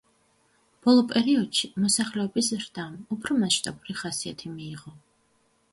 ბოლო პერიოდში, მოსახლეობის ზრდამ უფრო მასშტაბური ხასიათი მიიღო.